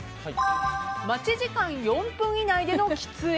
待ち時間４分以内での喫煙。